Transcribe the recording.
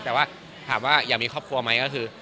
แต่ว่าถามว่าอยากมีครอบครัวไหมก็คือ